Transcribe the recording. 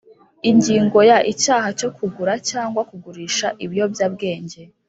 Ingingo ya Icyaha cyo kugura cyangwa kugurisha ibiyobyabwenge